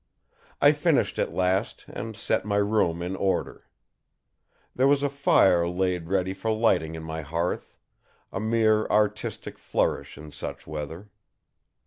I finished at last, and set my room in order. There was a fire laid ready for lighting in my hearth, a mere artistic flourish in such weather.